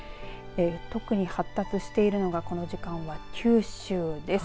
特に発達してるのがこの時間は九州です。